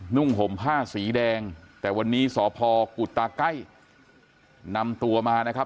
่งห่มผ้าสีแดงแต่วันนี้สพกุตาไก้นำตัวมานะครับ